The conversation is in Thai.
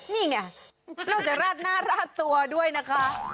นี่ไงนอกจากราดหน้าราดตัวด้วยนะคะ